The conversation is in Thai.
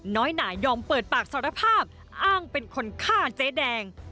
หน่ายอมเปิดปากสารภาพอ้างเป็นคนฆ่าเจ๊แดง